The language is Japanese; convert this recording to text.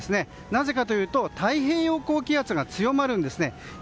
なぜかというと太平洋高気圧が強まるんですね。